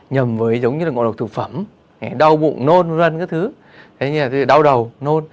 nhầm với giống như ngộ độc thực phẩm đau bụng nôn đau đầu nôn